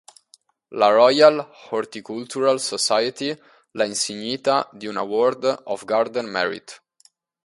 La Royal Horticultural Society l'ha insignita di un Award of Garden Merit.